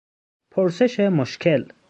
پرسش مشکل